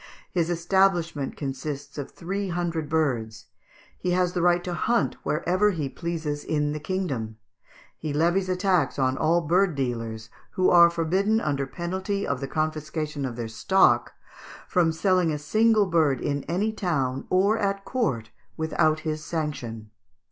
His establishment consists of three hundred birds; he has the right to hunt wherever he pleases in the kingdom; he levies a tax on all bird dealers, who are forbidden, under penalty of the confiscation of their stock, from selling a single bird in any town or at court without his sanction."